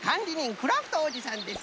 クラフトおじさんです。